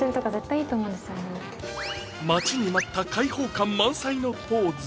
待ちに待った開放感満載のポーズ